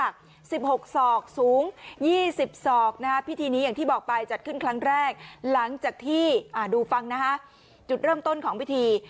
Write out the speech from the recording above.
ครั้งแรกหลังจากที่ดูฟังนะฮะจุดเริ่มต้นของพิธี